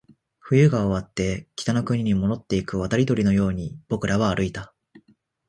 冬が終わって、北の国に戻っていく渡り鳥のように僕らは歩いた